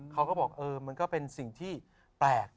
เขาก็บอกเออมันก็เป็นสิ่งที่แปลก